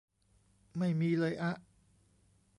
ไม่มีเลยอ๊ะ